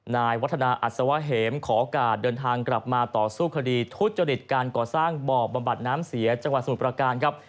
นายวัฒนาอัศวะเหมขอโอกาสเดินทางกลับมาต่อสู้คดีทุจริตการก่อสร้างบ่อบำบัดน้ำเสียจังหวัดสมุทรประการครับ